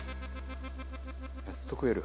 やっと食える。